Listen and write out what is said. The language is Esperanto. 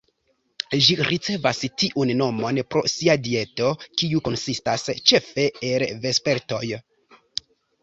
Ĝi ricevas tiun nomon pro sia dieto, kiu konsistas ĉefe el vespertoj.